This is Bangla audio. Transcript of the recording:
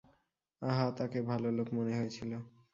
আহা, তাকে ভালো লোক মনে হয়েছিল।